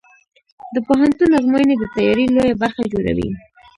د پوهنتون ازموینې د تیاری لویه برخه جوړوي.